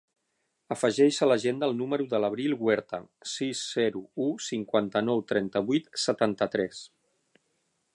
Afegeix a l'agenda el número de l'Abril Huerta: sis, zero, u, cinquanta-nou, trenta-vuit, setanta-tres.